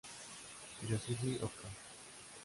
Yoshiki Oka